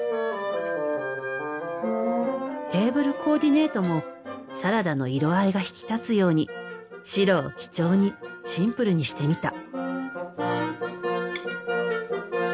テーブルコーディネートもサラダの色合いが引き立つように白を基調にシンプルにしてみた。